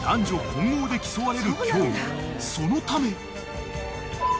［そのため］